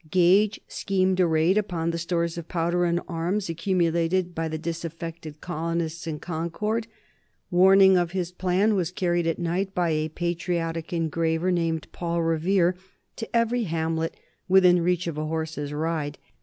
Gage schemed a raid upon the stores of powder and arms accumulated by the disaffected colonists in Concord. Warning of his plan was carried at night by a patriotic engraver named Paul Revere to every hamlet within reach of a horse's ride.